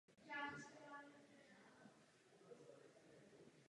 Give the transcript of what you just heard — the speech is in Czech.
První záznamy o možnosti léčení rakoviny zvýšenou teplotou pochází už ze starověku.